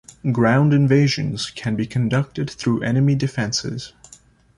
Ground invasions can be conducted through enemy defenses.